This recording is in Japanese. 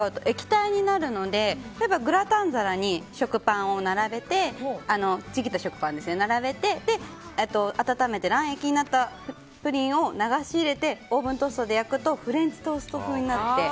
温めて使うと液体になるのでグラタン皿にちぎった食パンを並べて温めて卵液になったプリンを流し入れてオーブントースターで焼くとフレンチトースト風になって。